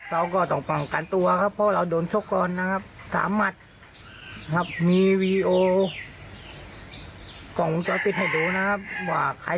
เราก็ต้องป้องกันตัวครับเพราะเราโดนชกก่อนนะครับสามหมัดครับมีวีดีโอกล่องวงจรปิดให้ดูนะครับว่าใคร